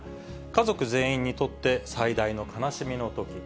家族全員にとって、最大の悲しみのとき。